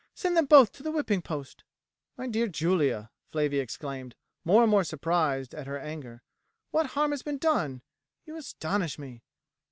Send them both to the whipping post." "My dear Julia," Flavia exclaimed, more and more surprised at her anger, "what harm has been done? You astonish me.